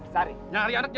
saya mau cari anak saya